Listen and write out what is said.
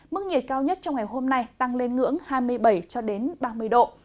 mức nhiệt cao nhất trong ngày hôm nay tăng lên ngưỡng hai mươi bảy ba mươi độ